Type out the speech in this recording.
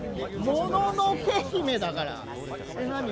もののけ姫だから。